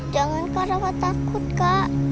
jangan kak rafa takut kak